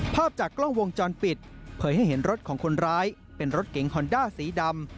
ภาพจากกล้องวงจรปิดเผยให้เห็นรถของคนร้ายเป็นรถเก๋งฮอนด้าสีดำ